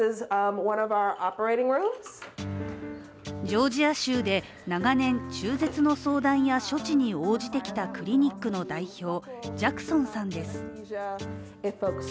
ジョージア州で長年、中絶の相談や処置に応じてきたクリニックの代表・ジャクソンさんです。